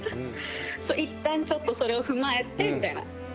「いったんちょっとそれを踏まえてみたいな」